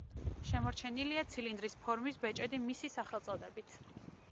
შემორჩენილია ცილინდრის ფორმის ბეჭედი მისი სახელწოდებით.